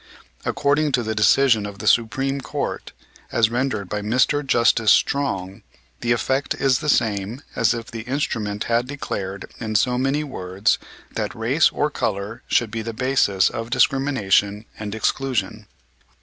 According to the decision of the Supreme Court, as rendered by Mr. Justice Strong, the effect is the same as if the instrument had declared in so many words that race or color should be the basis of discrimination and exclusion.